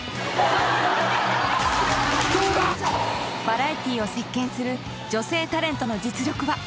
［バラエティーを席巻する女性タレントの実力は？］